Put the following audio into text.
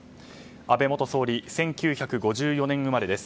安倍元総理、１９５４年生まれ。